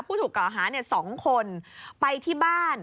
ผู้ถูกกล่าวหา๒คนไปที่บ้าน